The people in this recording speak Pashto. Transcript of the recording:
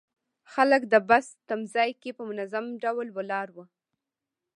خلک د بس تمځي کې په منظم ډول ولاړ وو.